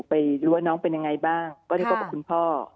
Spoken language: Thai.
ไปดูว่าน้องเป็นยังไงบ้างก็ได้พบกับคุณพ่อ